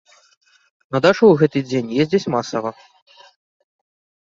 На дачу ў гэты дзень ездзяць масава.